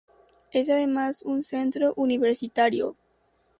Es además un centro universitario.